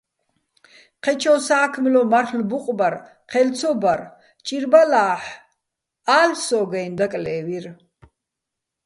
ჴეჩო სა́ქმლო მარლ'ო ბუყბარ ჴელ ცო ბარ, ჭირბალა́ჰ̦ ა́ლ'ო̆ სო́გო̆-აჲნო̆, დაკლე́ვირ.